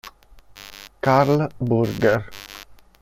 Karl Burger